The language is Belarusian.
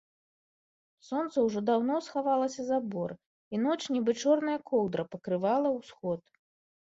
Сонца ўжо даўно схавалася за бор, i ноч, нiбы чорная коўдра, пакрывала ўсход.